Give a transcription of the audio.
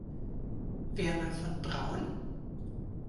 Werner von Braun